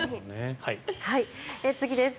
次です。